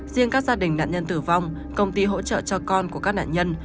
riêng các gia đình nạn nhân tử vong công ty hỗ trợ cho con của các nạn nhân